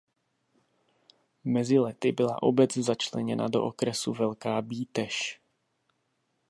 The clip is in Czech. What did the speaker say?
Mezi lety byla obec začleněna do okresu Velká Bíteš.